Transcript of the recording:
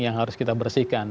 yang harus kita bersihkan